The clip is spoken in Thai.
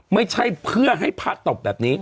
ไม่ใช่เพื่อให้พระตบแบบนี้